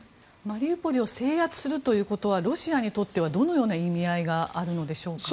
マリウポリを制圧するということはロシアにとっては、どのような意味合いがあるのでしょうか。